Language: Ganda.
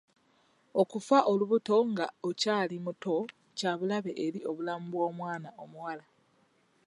Okufa olubuto nga okyali muto kya bulabe eri obulamu bw'omwana omuwala.